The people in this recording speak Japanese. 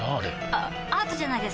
あアートじゃないですか？